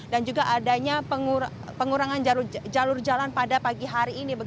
dan juga adanya pengurangan jalur jalan pada pagi hari ini